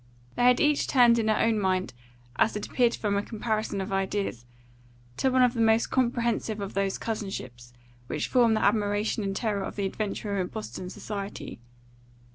They had each turned in her own mind, as it appeared from a comparison of ideas, to one of the most comprehensive of those cousinships which form the admiration and terror of the adventurer in Boston society.